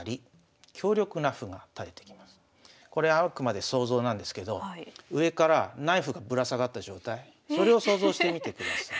これはあくまで想像なんですけど上からナイフがぶら下がった状態それを想像してみてください。